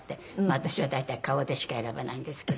まあ私は大体顔でしか選ばないんですけど。